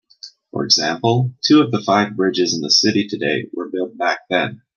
For example, two of the five bridges in the city today were built back then.